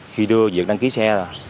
khi đưa việc đăng ký xe